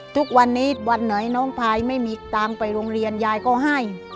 ทุกวันนี้วันไหนน้องพายไม่มีตังค์ไปโรงเรียนยายก็ให้